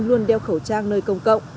luôn đeo khẩu trang nơi công cộng